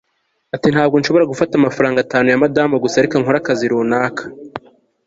ati ntabwo nshobora gufata amafaranga atanu ya madam gusa. reka nkore akazi runaka